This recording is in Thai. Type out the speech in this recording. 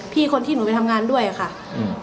คนที่หนูไปทำงานด้วยอะค่ะอืม